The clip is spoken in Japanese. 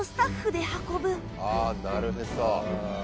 「ああーなるへそ！」